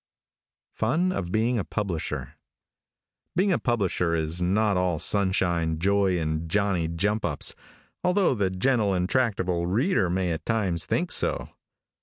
FUN OF BEING A PUBLISHER. |BEING a publisher is not all sunshine, joy and johnny jump ups, although the gentle and tractable reader may at times think so.